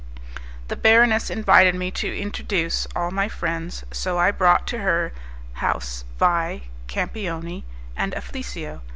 The baroness invited me to introduce, all my friends, so I brought to her house Vais, Campioni, and Afflisio.